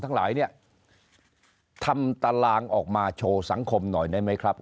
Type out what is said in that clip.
ทั้งหลายเนี่ยทำตารางออกมาโชว์สังคมหน่อยได้ไหมครับ